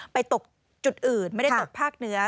ตกจุดอื่นไม่ได้ตกภาคเหนือ